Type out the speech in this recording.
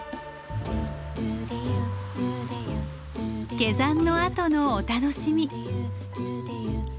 下山のあとのお楽しみ。